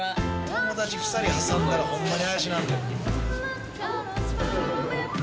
友達２人挟んだらホンマに怪しなるで。